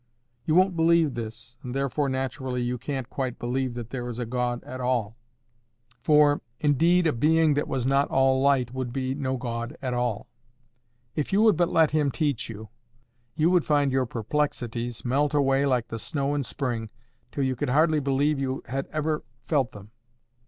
You won't believe this, and therefore naturally you can't quite believe that there is a God at all; for, indeed, a being that was not all light would be no God at all. If you would but let Him teach you, you would find your perplexities melt away like the snow in spring, till you could hardly believe you had ever felt them.